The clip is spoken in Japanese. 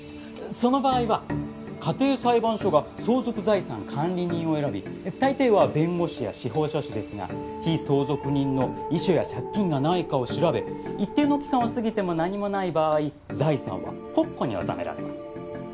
その場合は家庭裁判所が相続財産管理人を選び大抵は弁護士や司法書士ですが被相続人の遺書や借金がないかを調べ一定の期間を過ぎても何もない場合財産は国庫に納められます。